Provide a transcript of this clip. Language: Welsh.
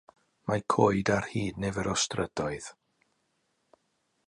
Mae coed ar hyd nifer o strydoedd.